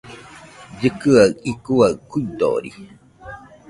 Llɨkɨaɨ icuaɨ kuidori